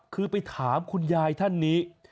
คือไปถามคุณยายท่านนี้